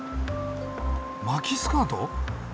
巻きスカート？